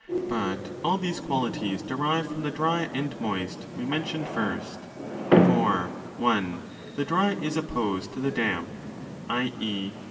But all these qualities derive from the dry and moist we mentioned first.* For (i) the dry is opposed to the damp: i.e.